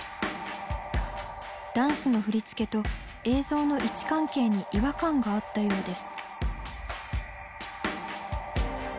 ダンスの振り付けと映像の位置関係に違和感があったようです。